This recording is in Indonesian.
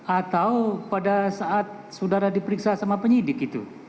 atau pada saat saudara diperiksa sama penyidik itu